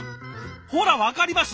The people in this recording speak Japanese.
ほら分かります？